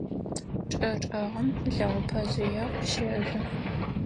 ЧӀы чӀэгъым лэгъупэжъые къыщэжъо.